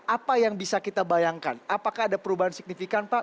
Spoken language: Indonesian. apa yang bisa kita bayangkan apakah ada perubahan signifikan pak